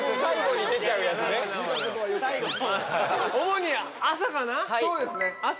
主に朝かな。